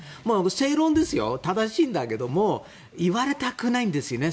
正論ですよ、正しいんだけど言われたくないんですよね。